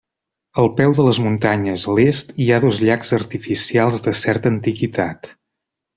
Al peu de les muntanyes, a l'est hi ha dos llacs artificials de certa antiguitat.